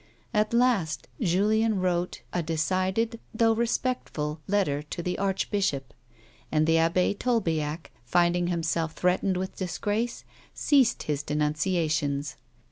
At last, Julien wrote a decided, though respectful, letter to the archbishop, and the Abbe Tolbiac, finding him self threatened with disgi ace, ceased his denunciations.